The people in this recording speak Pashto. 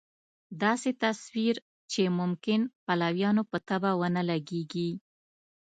داسې تصویر چې ممکن پلویانو په طبع ونه لګېږي.